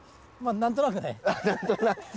何となく。